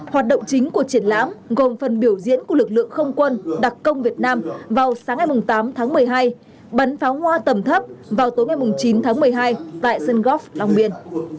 hoạt động chính của triển lãm gồm phần biểu diễn của lực lượng không quân đặc công việt nam vào sáng ngày tám tháng một mươi hai bắn pháo hoa tầm thấp vào tối ngày chín tháng một mươi hai tại sân góp long biên